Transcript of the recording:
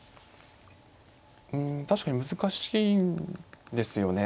うん確かに難しいんですよね。